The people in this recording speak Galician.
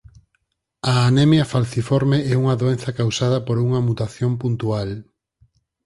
A anemia falciforme é unha doenza causada por unha mutación puntual.